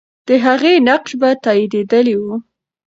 د هغې نقش به تاییدېدلی وو.